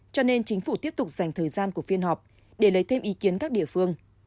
cho nên chính phủ tiếp tục dành thời gian của phiên họp để lấy thêm ý kiến các địa phương